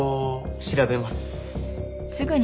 調べます。